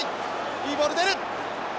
いいボール出る！